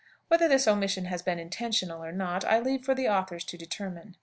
Whether this omission has been intentional or not, I leave for the authors to determine.